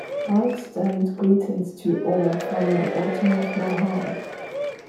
I extend greetings to all from the bottom of my heart.